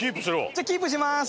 じゃあキープします。